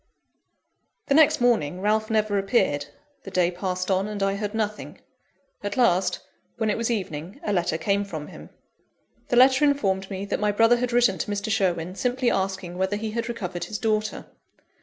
The next morning, Ralph never appeared the day passed on, and I heard nothing at last, when it was evening, a letter came from him. The letter informed me that my brother had written to Mr. Sherwin, simply asking whether he had recovered his daughter.